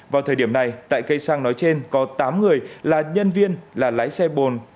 vào thời điểm này tại cây xăng nói trên có tám người là nhân viên là lái xe bồn